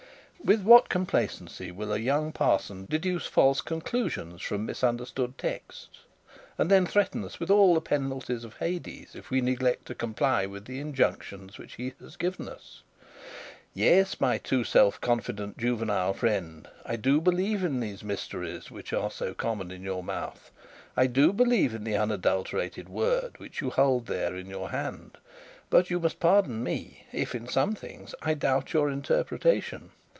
With what complacency will a young parson deduce false conclusions from misunderstood texts, and then threaten us with all the penalties of Hades if we neglect to comply with the injunctions he has given us! Yes, my too self confident juvenile friend, I do believe in those mysteries, which are so common in your mouth; I do believe in the unadulterated word which you hold there in your hand; but you must pardon me if, in some things, I doubt your interpretation.